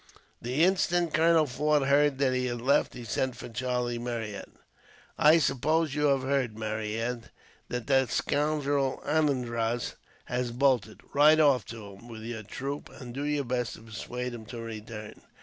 The instant Colonel Forde heard that he had left, he sent for Charlie Marryat. "I suppose you have heard, Marryat, that that scoundrel Anandraz has bolted. Ride off to him with your troop, and do your best to persuade him to return."